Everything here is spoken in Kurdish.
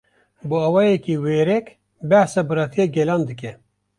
Bi awayeke wêrek, behsa biratiya gelan dike